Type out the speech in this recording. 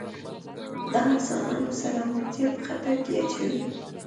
د انسانانو سلامتیا په خطر کې اچوي.